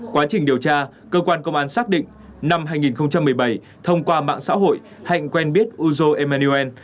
quá trình điều tra cơ quan công an xác định năm hai nghìn một mươi bảy thông qua mạng xã hội hạnh quen biết uzo emaniel